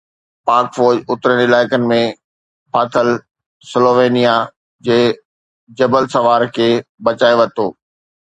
پاڪ فوج اترين علائقن ۾ ڦاٿل سلووينيا جي جبل سوار کي بچائي ورتو